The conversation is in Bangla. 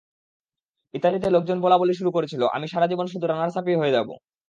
ইতালিতে লোকজন বলাবলি শুরু করেছিল, আমি সারা জীবন শুধু রানার্সআপই হয়ে যাব।